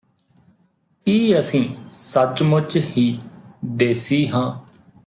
ਕੀ ਅਸੀਂ ਸੱਚਮੁੱਚ ਹੀ ਦੇਸੀ ਹਾਂ